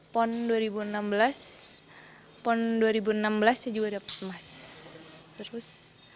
pon dua ribu enam belas juga dapat emas